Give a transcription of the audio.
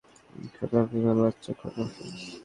খোদা হাফেজ আমার বাচ্চা, খোদা হাফেজ।